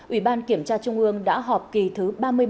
ủy ban kiểm tra trung ương đã họp kỳ thứ ba mươi bảy